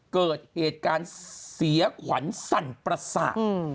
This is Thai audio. เกิดเหตุการณ์เสียขวัญสั่นประสาท